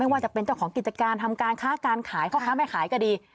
ว่าจะเป็นเจ้าของกิจการทำการค้าการขายพ่อค้าแม่ขายก็ดี